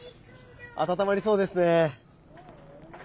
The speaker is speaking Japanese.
温まりそうですね。